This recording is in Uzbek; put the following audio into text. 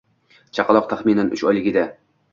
Chaqaloq taxminan uch oylik edi